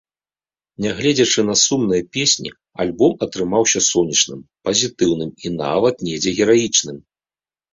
Нягледзячы на сумныя песні, альбом атрымаўся сонечным, пазітыўным і нават недзе гераічным.